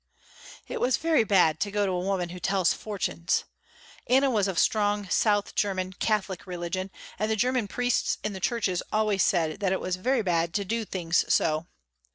It was very bad to go to a woman who tells fortunes. Anna was of strong South German Catholic religion and the german priests in the churches always said that it was very bad to do things so.